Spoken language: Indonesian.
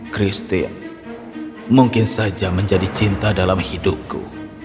christine mungkin saja menjadi cinta dalam hidupku